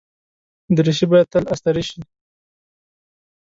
دریشي باید تل استری شي.